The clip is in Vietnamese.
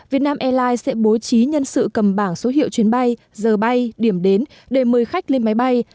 việt nam airlines sẽ bố trí nhân sự cầm bảng số hiệu chuyến bay giờ bay điểm đến để mời khách lên máy bay